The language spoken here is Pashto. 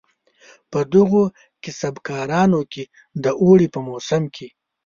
په دغو کسبه کارانو کې د اوړي په موسم کې.